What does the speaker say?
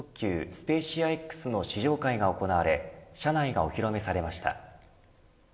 スペーシアＸの試乗会が行われ車内がお披露目されました。